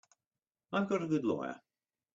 I've got a good lawyer.